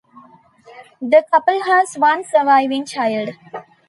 The couple has one surviving child.